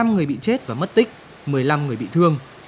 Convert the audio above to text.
một mươi năm người bị chết và mất tích một mươi năm người bị thương